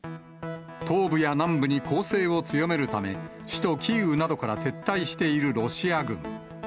東部や南部に攻勢を強めるため、首都キーウなどから撤退しているロシア軍。